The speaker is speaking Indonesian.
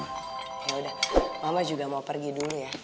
ya udah mama juga mau pergi dulu ya